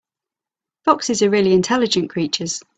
Foxes are really intelligent creatures.